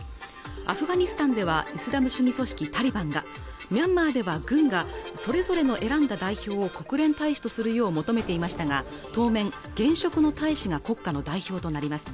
アフガニスタンではイスラム主義組織タリバンがミャンマーでは軍がそれぞれの選んだ代表を国連大使とするよう求めていましたが当面現職の大使が国家の代表となります